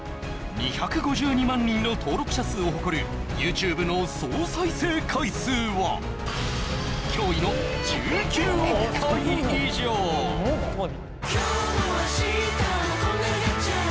２５２万人の登録者数を誇るＹｏｕＴｕｂｅの総再生回数は驚異の１９億回以上今日も明日も矜羯羅がっちゃう！